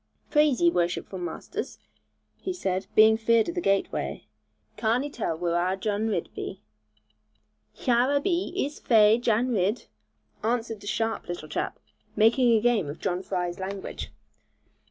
'Plaise ye, worshipful masters,' he said, being feared of the gateway, 'carn 'e tull whur our Jan Ridd be?' 'Hyur a be, ees fai, Jan Ridd,' answered a sharp little chap, making game of John Fry's language.